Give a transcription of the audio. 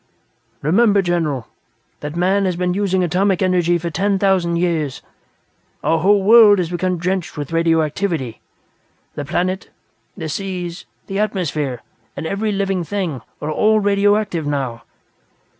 "Remember, General, that man has been using atomic energy for ten thousand years. Our whole world has become drenched with radioactivity. The planet, the seas, the atmosphere, and every living thing, are all radioactive, now.